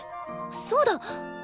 そうだ！